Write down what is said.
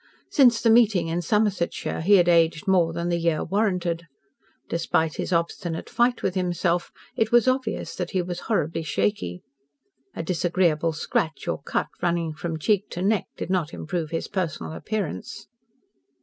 Since the meeting in Somersetshire he had aged more than the year warranted. Despite his obstinate fight with himself it was obvious that he was horribly shaky. A disagreeable scratch or cut, running from cheek to neck, did not improve his personal appearance.